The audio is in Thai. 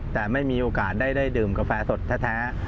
แต่ไม่มีโอกาสได้ดื่มกาแฟสดแท้